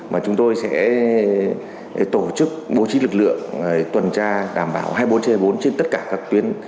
mà chúng tôi sẽ tổ chức bố trí lực lượng tuần tra đảm bảo hai mươi bốn trên bốn trên tất cả các tuyến